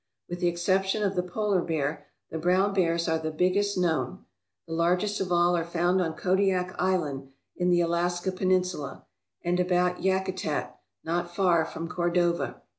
With the ex ception of the polar bear, the brown bears are the biggest known. The largest of all are found on Kodiak Island, in the Alaska Peninsula, and about Yakutat, not far from Cordova.